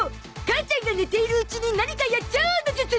母ちゃんが寝ているうちに何かやっちゃおうの術！